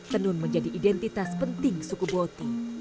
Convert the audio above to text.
tenun menjadi identitas penting suku boti